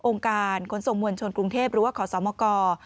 การขนส่งมวลชนกรุงเทพหรือว่าขอสมก